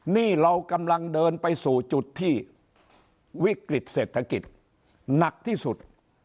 นี่เรากำลังเดินไปสู่จุดที่วิกฤตเศรษฐกิจหนักที่สุด